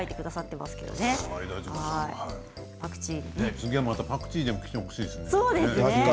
次はまたパクチーでも来てほしいですね。